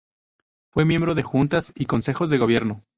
Fue miembro de juntas y consejos de gobierno.